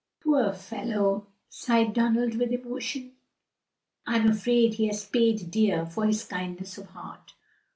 "Poor fellow!" sighed Donald with emotion. "I'm afraid he has paid dear for his kindness of heart!"